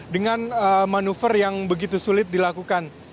dengan manuver yang begitu sulit dilakukan